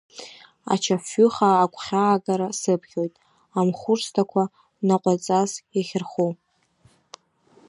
Ача афҩы хаа агәхьаагара сыԥхьоит, амхурсҭақәа наҟәаҵас иахьырху.